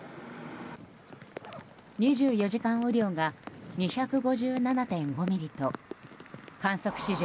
２４時間雨量が２５７．５ミリと観測史上